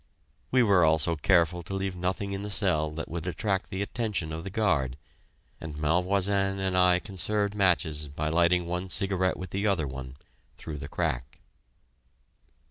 We were also careful to leave nothing in the cell that would attract the attention of the guard, and Malvoisin and I conserved matches by lighting one cigarette with the other one, through the crack.